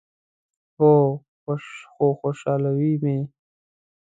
هو، خو خوشحالوي می